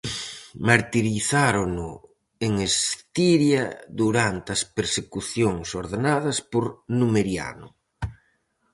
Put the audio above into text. Martirizárono en Estiria durante as persecucións ordenadas por Numeriano.